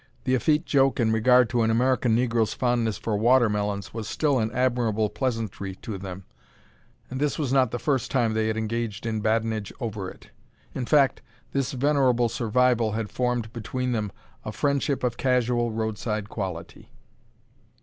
The effete joke in regard to an American negro's fondness for watermelons was still an admirable pleasantry to them, and this was not the first time they had engaged in badinage over it. In fact, this venerable survival had formed between them a friendship of casual roadside quality.